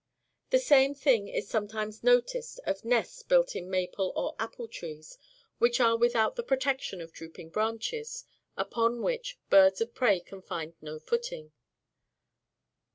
The same thing is sometimes noticed of nests built in maple or apple trees, which are without the protection of drooping branches, upon which birds of prey can find no footing.